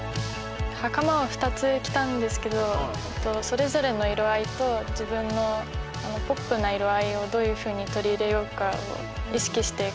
袴を２つ着たんですけどそれぞれの色合いと自分のポップな色合いをどういうふうに取り入れようかを意識して描きました。